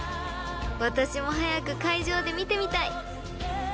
［私も早く会場で見てみたい！］